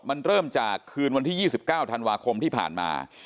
มันเริ่มจากคืนวันที่๒๙ธันวาคมที่ผ่านมา